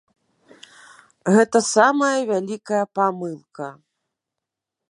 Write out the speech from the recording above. Гэта самая вялікая памылка.